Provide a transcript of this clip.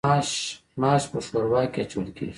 ماش په ښوروا کې اچول کیږي.